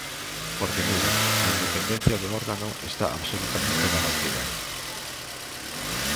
Porque, miren, a independencia do órgano está absolutamente garantida.